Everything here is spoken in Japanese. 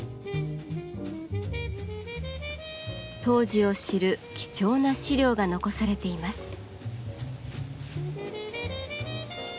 当時を知る貴重な資料が残されています。